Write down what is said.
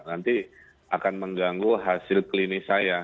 nanti akan mengganggu hasil klinis saya